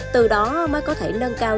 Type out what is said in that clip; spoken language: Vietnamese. từ đó mới có thể nâng cao